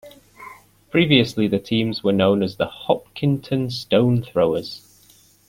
Previously the teams were known as the Hopkinton Stonethrowers.